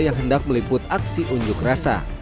yang hendak meliput aksi unjuk rasa